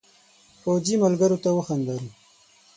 پوځي ملګرو ته وخندل.